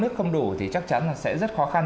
nếu nước không đủ thì chắc chắn sẽ rất khó khăn